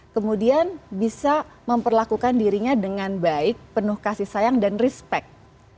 kemudian bisa memperlakukan dirinya dengan baik penuh kasih sayang dan respect